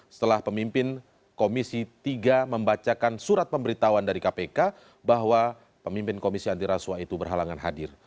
setelah pemimpin komisi tiga membacakan surat pemberitahuan dari kpk bahwa pemimpin komisi antiraswa itu berhalangan hadir